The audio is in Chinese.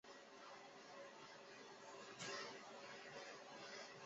桃椰子为棕榈科桃果椰子属下的一个种。